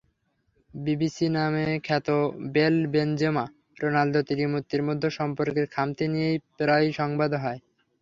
BBC নামে খ্যাত Bale Benzema Ronaldo ত্রিমূর্তির মধ্যে সম্পর্কের খামতি নিয়ে প্রায়ই সংবাদ হয়।